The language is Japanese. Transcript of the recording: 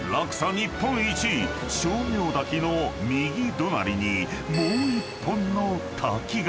日本一称名滝の右隣にもう１本の滝が］